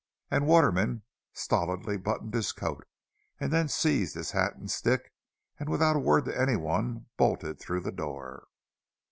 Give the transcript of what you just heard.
And Waterman stolidly buttoned his coat, and then seized his hat and stick, and without a word to anyone, bolted through the door.